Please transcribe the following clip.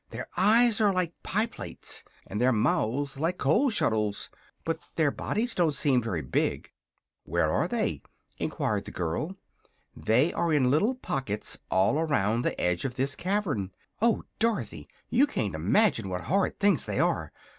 "Their eyes are like pie plates and their mouths like coal scuttles. But their bodies don't seem very big." "Where are they?" enquired the girl. "They are in little pockets all around the edge of this cavern. Oh, Dorothy you can't imagine what horrid things they are!